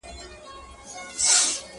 ملکه له تخته پورته په هوا سوه٫